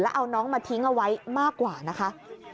เอาน้องมาทิ้งเอาไว้มากกว่านะคะ